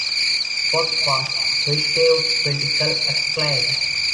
"Hot Fuzz" received critical acclaim.